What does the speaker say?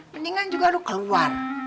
mendingan juga lo keluar